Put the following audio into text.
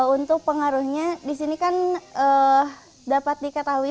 untuk pengaruhnya di sini kan dapat diketahui